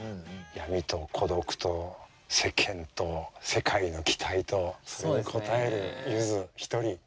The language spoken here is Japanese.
闇と孤独と世間と世界の期待とそれに応えるゆづ一人すごいね。